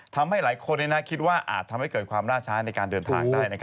ทำให้หลายคนคิดว่าอาจทำให้เกิดความล่าช้าในการเดินทางได้